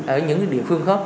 ở những địa phương khác